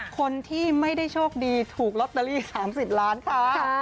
คนที่ไม่ได้โชคดีถูกลอตเตอรี่๓๐ล้านค่ะ